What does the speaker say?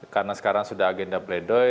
karena sekarang sudah agenda play doh